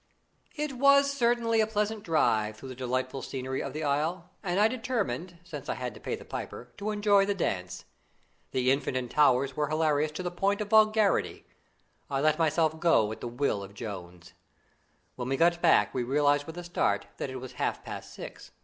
It was certainly a pleasant drive through the delightful scenery of the Isle, and I determined, since I had to pay the piper, to enjoy the dance. The Infant and Towers were hilarious to the point of vulgarity: I let myself go at the will of Jones. When we got back, we realised with a start that it was half past six.